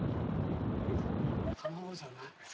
卵じゃない。